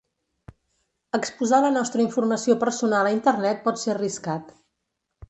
Exposar la nostra informació personal a Internet pot ser arriscat.